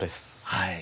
はい。